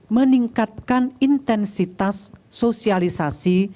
meningkatkan intensitas sosialisasi